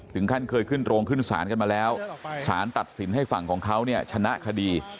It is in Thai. ถึงขั้นเคยขึ้นโรงขึ้นศาลกันมาแล้วสารตัดสินให้ฝั่งของเขาเนี่ยชนะคดี